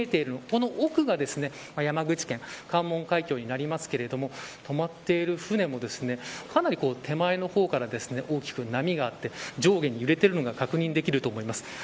この奥が山口県関門海峡になりますけども泊まっている船もかなり手前の方から大きくな波があって、上下に揺れているのが確認できると思います。